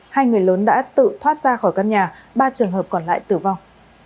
hai người lớn đã tự thoát ra khỏi căn nhà ba trường hợp còn lại tử vong